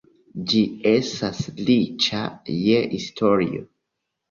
Ĝi estas riĉa je historio.